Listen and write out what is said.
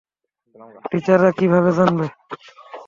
টিচাররা কিভাবে জানবে।